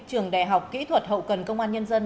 trường đại học kỹ thuật hậu cần công an nhân dân